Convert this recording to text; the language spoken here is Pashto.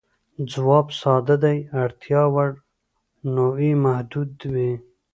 ځواب ساده دی، اړتیا وړ نوعې محدودې وې.